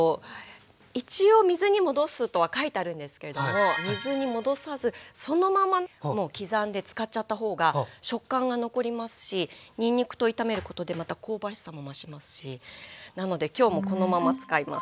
一応水に戻すとは書いてあるんですけれども水に戻さずそのまま刻んで使っちゃった方が食感が残りますしにんにくと炒めることでまた香ばしさも増しますしなので今日もこのまま使います。